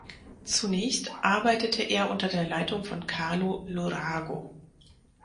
Zunächst arbeitete er unter der Leitung von Carlo Lurago.